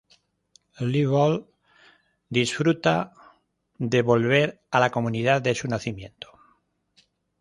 Leavell disfruta "devolver" a la comunidad de su nacimiento.